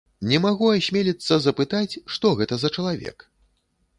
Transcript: Не магу асмеліцца запытаць, што гэта за чалавек?